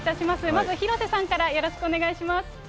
まず広瀬さんからよろしくお願いします。